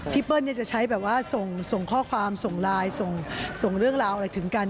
เปิ้ลจะใช้แบบว่าส่งข้อความส่งไลน์ส่งเรื่องราวอะไรถึงกัน